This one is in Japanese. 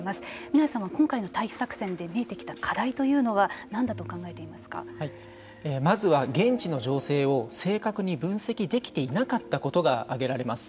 南井さんは今回の退避作戦で見えてきた課題というのはまずは現地の情勢を正確に分析できていなかったことが挙げられます。